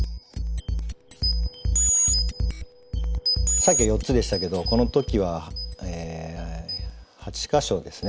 さっきは４つでしたけどこの時は８か所ですね